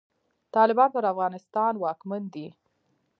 طالبان پر افغانستان واکمن دی.